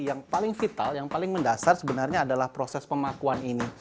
yang paling vital yang paling mendasar sebenarnya adalah proses pemakuan ini